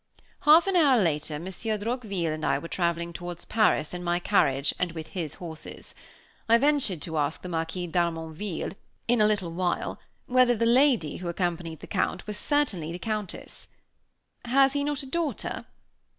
Half an hour later Monsieur Droqville and I were traveling towards Paris in my carriage and with his horses. I ventured to ask the Marquis d'Harmonville, in a little while, whether the lady, who accompanied the Count, was certainly the Countess. "Has he not a daughter?"